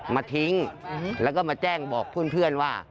มาทิ้งแล้วก็มาแจ้งบอกเพื่อนว่า